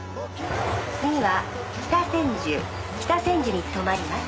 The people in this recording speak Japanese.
次は北千住北千住に止まります。